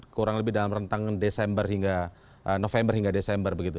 kurang lebih dalam rentang desember hingga november hingga desember begitu